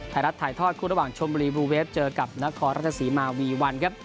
ไทยรัฐถ่ายทอดคู่ระหว่างชมบุรีบลูเวฟเจอกับนครราชสีมาวีวันครับ